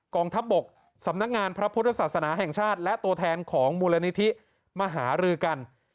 กองทัพบกสำนักงานพระพุทธศาสนาแห่งชาติและตัวแทนของมูลนิธิมหารือกัน